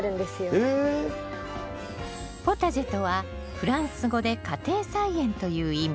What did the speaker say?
ポタジェとはフランス語で「家庭菜園」という意味。